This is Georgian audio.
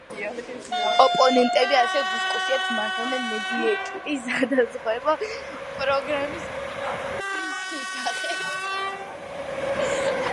ოპონენტები ასევ დისკუსიებს მართვდნენ მედიკეიდის სადაზღვევო პროგრამის პრივატიზაციის შესახებ.